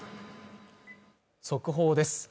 速報です